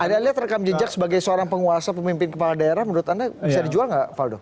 anda lihat rekam jejak sebagai seorang penguasa pemimpin kepala daerah menurut anda bisa dijual nggak faldo